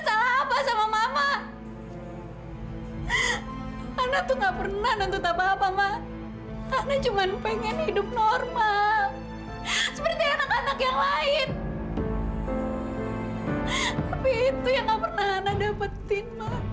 tapi itu yang pernah ana dapetin mak